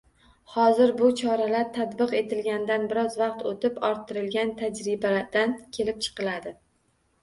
Hozir bu choralar tatbiq etilganidan biroz vaqt oʻtib, orttirilgan tajribadan kelib chiqiladi.